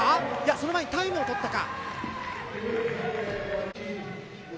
その前にタイムをとったか。